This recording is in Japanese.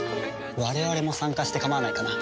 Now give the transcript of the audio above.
我々も参加して構わないかな？